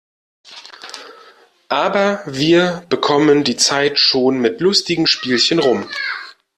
Aber wir bekommen die Zeit schon mit lustigen Spielchen rum.